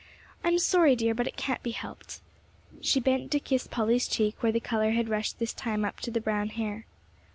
I'm sorry, dear, but it can't be helped." She bent to kiss Polly's cheek where the color had rushed this time up to the brown hair.